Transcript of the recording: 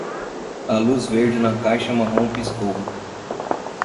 A luz verde na caixa marrom piscou.